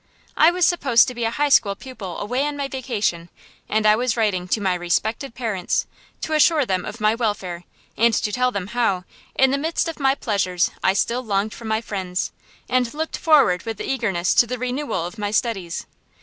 I was supposed to be a high school pupil away on my vacation; and I was writing to my "Respected Parents," to assure them of my welfare, and to tell them how, in the midst of my pleasures, I still longed for my friends, and looked forward with eagerness to the renewal of my studies.